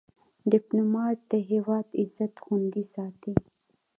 ډيپلومات د هیواد عزت خوندي ساتي.